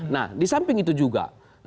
nah disamping itu juga